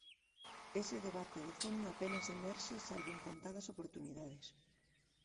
Ese debate de fondo apenas emerxe salvo en contadas oportunidades.